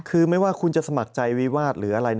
คือไม่ว่าคุณจะสมัครใจวิวาสหรืออะไร